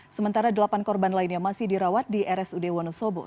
sementara delapan korban lainnya masih dirawat di rsud wonosobo